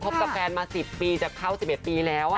กับแฟนมา๑๐ปีจะเข้า๑๑ปีแล้ว